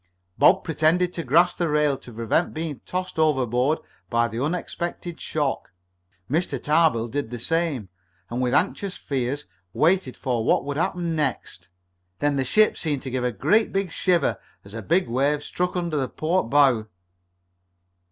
Bob pretended to grasp the rail to prevent being tossed overboard by the expected shock. Mr. Tarbill did the same, and with anxious fears waited for what would happen next. Then the ship seemed to give a great shiver as a big wave struck under the port bow.